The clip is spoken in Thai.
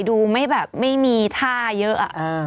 ดูไม่มีท่าเยอะ